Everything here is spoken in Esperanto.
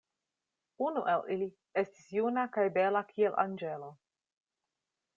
Unu el ili estis juna kaj bela kiel anĝelo.